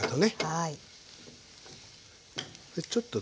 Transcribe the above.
はい。